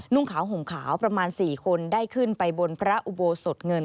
่งขาวห่มขาวประมาณ๔คนได้ขึ้นไปบนพระอุโบสถเงิน